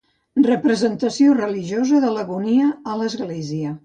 Representació religiosa de l'Agonia a l'església.